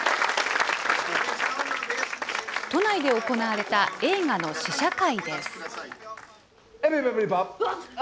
都内で行われた映画の試写会です。